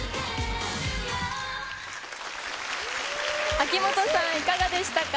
秋元さん、いかがでしたか。